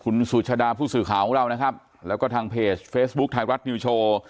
คุณสุชาดาผู้สื่อข่าวของเรานะครับแล้วก็ทางเพจเฟซบุ๊คไทยรัฐนิวโชว์